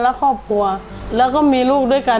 และครอบครัวแล้วก็มีลูกด้วยกัน